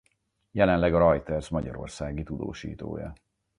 Jelenleg a Reuters magyarországi tudósítója.